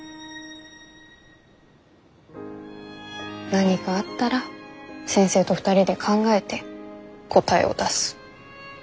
何かあったら先生と２人で考えて答えを出す。